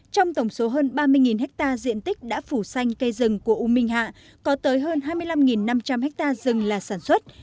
trong tổng số hơn ba mươi ha diện tích đã phủ xanh cây rừng của u minh hạ có tới hơn hai mươi năm năm trăm linh ha rừng là sản xuất